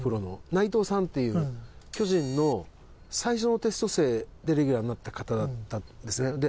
内藤さんっていう巨人の最初のテスト生でレギュラーになった方だったんですね。